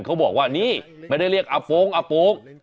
เขาบอกว่านี่ไม่ได้เรียกอาโป้งอาโป้ง